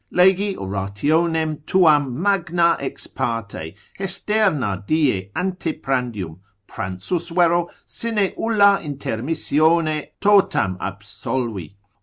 Legi orationem tuam magna ex parte, hesterna die ante prandium, pransus vero sine ulla intermissione totam absolvi.